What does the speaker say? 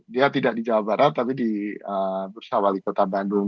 dia tidak di jawa barat tapi di bursa wali kota bandung